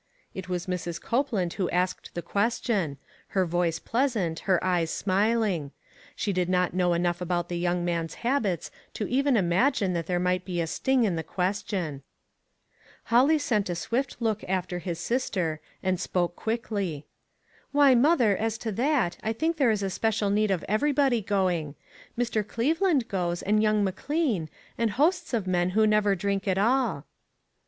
OVERDOING. 447 It was Mrs. Copeland who asked the ques tion ; her voice pleasant, her eyes smiling ; she did not know enough about the young man's habits to even imagine that there might be a sting in the question. Holly sent a swift look after his sister, and spoke quickly : "Why, mother, as to that, I think there is special need of everybody going. Mr. Cleveland goes, and young McLean, and hosts of men who never drink at all."